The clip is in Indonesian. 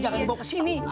jangan dibawa ke sini